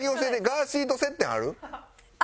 ガーシーと接点ある？